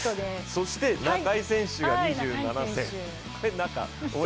そしてナカイ選手が２７歳。